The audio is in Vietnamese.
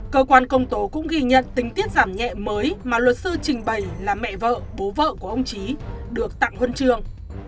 cơ quan công tố cũng ghi nhận tình tiết giảm nhẹ mới mà luật sư trình bày là mẹ vợ bố vợ của ông trí được tặng huân trường